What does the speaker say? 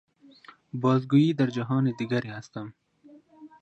باز گوئی در جهان دیگری هستم.